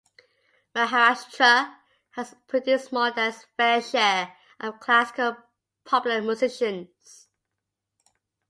Maharashtra has produced more than its fair share of Classical and popular musicians.